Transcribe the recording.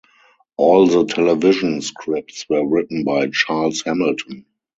All the television scripts were written by Charles Hamilton.